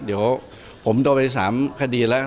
เดี๋ยวผมโดนไป๓คดีแล้ว